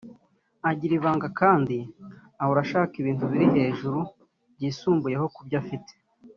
agira ibanga kandi ahora ashaka ibintu biri hejuru byisumbuyeho ku byo afite